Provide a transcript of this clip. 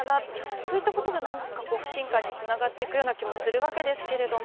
そういったことが不信感につながっていくような気がするわけですが。